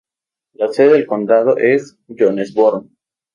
La sede de condado es Jonesboro.